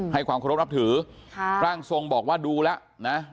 ให้ความขอรบนับถือร่างทรงบอกว่าดูแล้วนะ